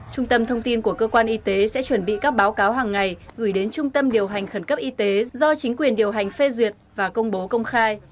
trung tâm thông tin của cơ quan y tế sẽ chuẩn bị các báo cáo hàng ngày gửi đến trung tâm điều hành khẩn cấp y tế do chính quyền điều hành phê duyệt và công bố công khai